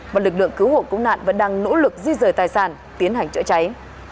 mà lực lượng cứu hộ cũng nạn vẫn đang nỗ lực di rời tài sản tiến hành chữa cháy